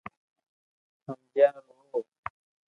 ھمجيا رو